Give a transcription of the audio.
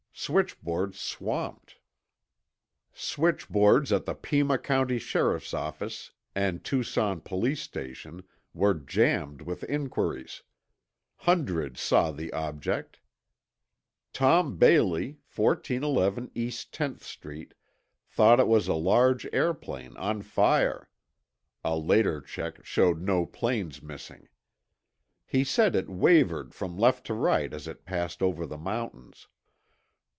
... Switchboards Swamped Switchboards at the Pima county sheriff's office and Tucson police station were jammed with inquiries. Hundreds saw the object. Tom Bailey, 1411 E. 10th Street, thought it was a large airplane on fire. [A later check showed no planes missing.] He said it wavered from left to right as it passed over the mountains.